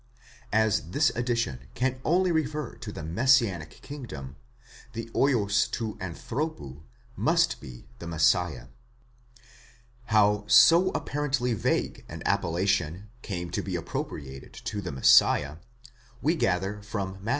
As this addi tion can only refer to the messianic kingdom, the vids rod ἀνθρώπου must be the Messiah. How so apparently vague an appellation came to be appropriated to the Messiah, we gather from Matt.